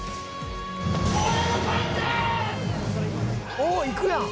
おおいくやん！